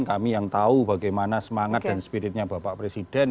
kami yang tahu bagaimana semangat dan spiritnya bapak presiden